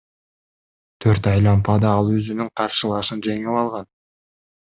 Төрт айлампада ал өзүнүн каршылашын жеңип алган.